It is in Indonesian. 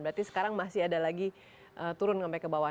berarti sekarang masih ada lagi turun sampai ke bawah